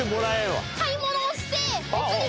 買い物をして。